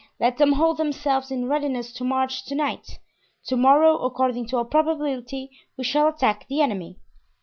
Let them hold themselves in readiness to march to night. To morrow, according to all probability, we shall attack the enemy."